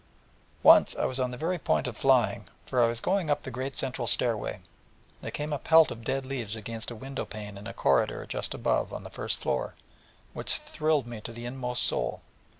Once I was on the very point of flying, for I was going up the great central stairway, and there came a pelt of dead leaves against a window pane in a corridor just above on the first floor, which thrilled me to the inmost soul.